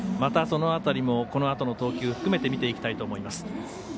その辺りもこのあとの投球含めて見ていきたいと思います。